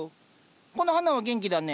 この花は元気だね。